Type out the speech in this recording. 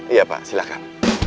iya pak silahkan